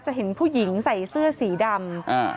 เห็นผู้หญิงใส่เสื้อสีดำ